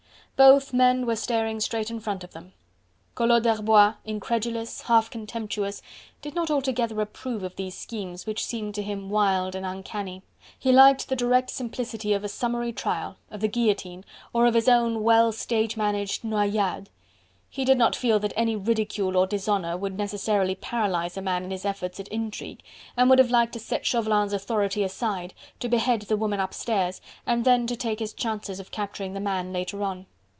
Both men were staring straight in front of them. Collot d'Herbois incredulous, half contemptuous, did not altogether approve of these schemes which seemed to him wild and uncanny: he liked the direct simplicity of a summary trial, of the guillotine, or of his own well stage managed "Noyades." He did not feel that any ridicule or dishonour would necessarily paralyze a man in his efforts at intrigue, and would have liked to set Chauvelin's authority aside, to behead the woman upstairs and then to take his chances of capturing the man later on.